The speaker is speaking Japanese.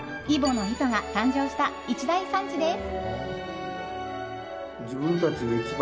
乃糸が誕生した一大産地です。